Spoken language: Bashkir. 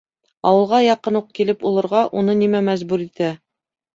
Ауылға яҡын уҡ килеп олорға уны нимә мәжбүр итә?